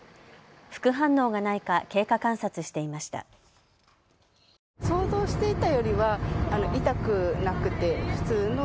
副反応がないか経過観察していました。